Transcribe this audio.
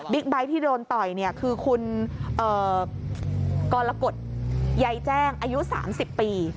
ไบท์ที่โดนต่อยคือคุณกรกฎใยแจ้งอายุ๓๐ปี